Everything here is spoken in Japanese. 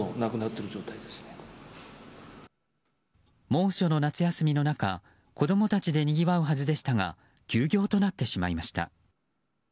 猛暑の夏休みの中子供たちでにぎわうはずでしたが休業となってしまいました。